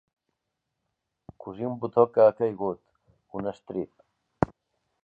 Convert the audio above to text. Cosir un botó que ha caigut, un estrip.